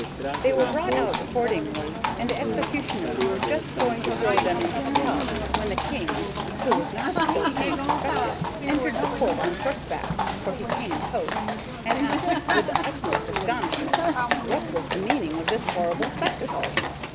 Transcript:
They were brought out accordingly, and the executioners were just going to throw them into the tub, when the King (who was not so soon expected) entered the court on horseback (for he came post) and asked, with the utmost astonishment, what was the meaning of that horrible spectacle.